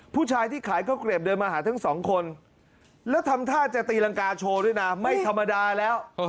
ผู้ชายที่ขายข้าวเกลียบเดินมาหาทั้งสองคนแล้วทำท่าจะตีรังกาโชว์ด้วยนะไม่ธรรมดาแล้ว